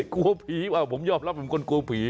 กลัวผีว่าผมยอมรับเป็นคนกลัวผี